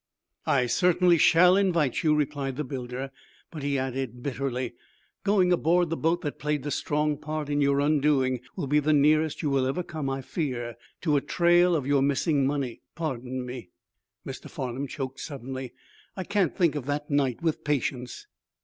"I certainly shall invite you," replied the builder. "But," he added, bitterly, "going aboard the boat that played the strong part in your undoing will be the nearest you will ever come, I fear, to a trail of your missing money. Pardon me" Mr. Farnum choked suddenly "I can't think of that night with patience."